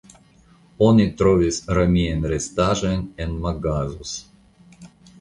Oni trovis romiajn restaĵojn en Magazos.